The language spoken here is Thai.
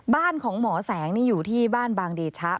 บ้านของหมอแสงนี่อยู่ที่บ้านบางเดชะ